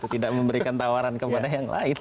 tidak memberikan tawaran kepada yang lain